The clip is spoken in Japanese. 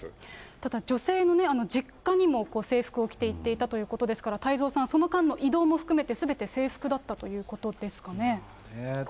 ただ女性の実家にも制服を着て行っていたということですから、太蔵さん、その間の移動も含めてすべて制服だったということですかね。